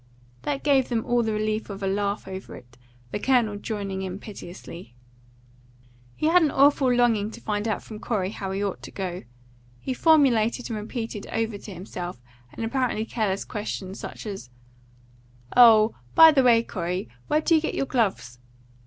That gave them all the relief of a laugh over it, the Colonel joining in piteously. He had an awful longing to find out from Corey how he ought to go. He formulated and repeated over to himself an apparently careless question, such as, "Oh, by the way, Corey, where do you get your gloves?"